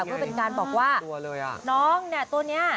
เพื่อเป็นการบอกว่าน้องเนี่ยตัวนี้